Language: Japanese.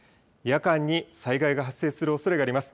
夜間に災害が発生するおそれがあります。